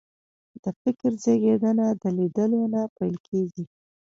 د فکر زېږنده د لیدلو نه پیل کېږي